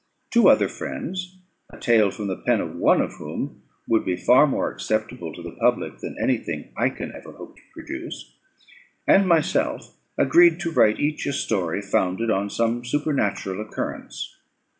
Two other friends (a tale from the pen of one of whom would be far more acceptable to the public than any thing I can ever hope to produce) and myself agreed to write each a story, founded on some supernatural occurrence.